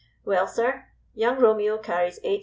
"Well, sir, Young Romeo carries 8 st.